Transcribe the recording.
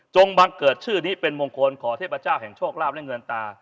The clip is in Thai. บังเกิดชื่อนี้เป็นมงคลขอเทพเจ้าแห่งโชคลาภและเงินตา